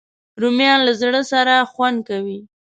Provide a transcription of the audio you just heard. رومیان له زړه سره خوند کوي